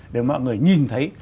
để mọi người nhìn thấy